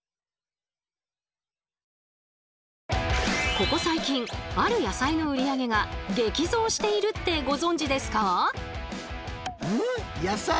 ここ最近ある野菜の売り上げが激増しているってご存じですか？